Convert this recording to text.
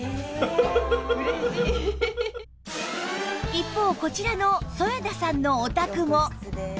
一方こちらの添田さんのお宅も